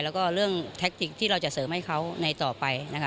แล้วก็เรื่องแท็กติกที่เราจะเสริมให้เขาในต่อไปนะคะ